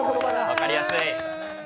分かりやすい。